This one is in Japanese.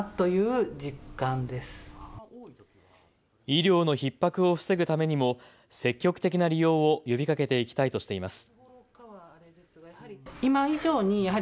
医療のひっ迫を防ぐためにも積極的な利用を呼びかけていきたいとしています。